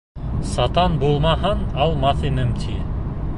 Сатан булмаһаң, алмаҫ инем, ти.